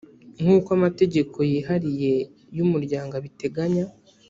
nk’ uko amategeko yihariye y’ umuryango abiteganya